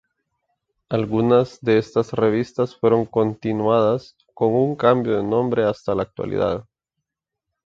Algunas de estas revistas fueron continuadas con un cambio de nombre hasta la actualidad.